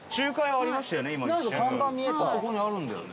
あそこにあるんだよね。